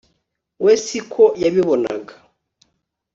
we si ko yabibonaga